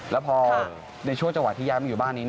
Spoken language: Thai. แล้วพอในช่วงจังหวะที่ย้ายมาอยู่บ้านนี้